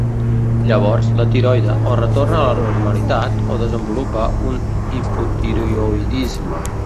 Llavors, la tiroide o retorna a la normalitat o desenvolupa un hipotiroïdisme.